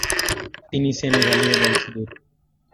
তিনি সেনেগালীয় বংশোদ্ভূত।